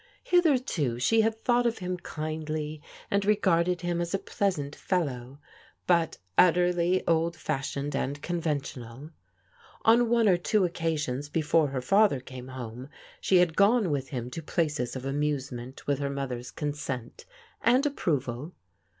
Hitherto she had thought of him kindly and regarded him as a pleasant fellow, but utterly old fashioned and conventional. On one or two occasions before her father came home, she had gone with him to places of amusement with her mother's consent and approval.